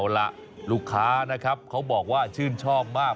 เอาล่ะลูกค้านะครับเขาบอกว่าชื่นชอบมาก